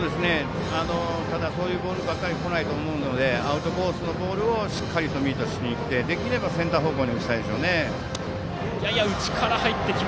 ただそういうボールばかりこないと思うのでアウトコースのボールをしっかりとミートしていってできればセンター方向に打ちたいでしょうね。